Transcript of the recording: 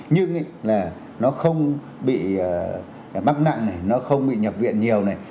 nhưng là nó không bị mắc nặng này nó không bị nhập viện nhiều này